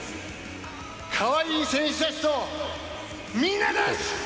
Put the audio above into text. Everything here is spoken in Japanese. かわいい選手たちとみんなです。